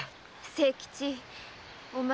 清吉お前。